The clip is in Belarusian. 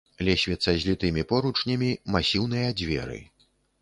Лесвіца з літымі поручнямі, масіўныя дзверы.